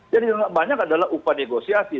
jadi yang banyak adalah upah negosiasi